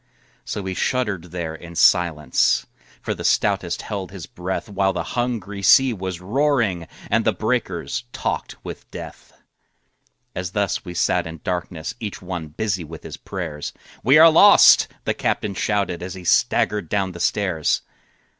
So we shuddered there in silence, For the stoutest held his breath, While the hungry sea was roaring And the breakers talked with death. As thus we sat in darkness Each one busy with his prayers, "We are lost!" the captain shouted, As he staggered down the stairs.